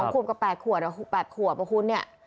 ๒ขวบกับ๘ขวด๘ขวบบางคนเนี่ย